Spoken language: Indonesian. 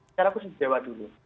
secara khusus di jawa dulu